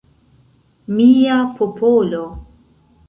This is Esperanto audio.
Mia popolo!